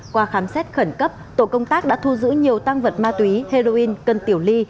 đám xét khẩn cấp tổ công tác đã thu giữ nhiều tăng vật ma tùy heroin cân tiểu ly